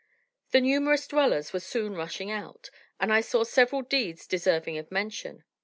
The numerous dwellers were soon rushing out, and I saw several deeds deserving of mention.